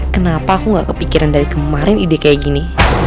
kenapa aku gak kepikiran dari kemarin ide kayak gini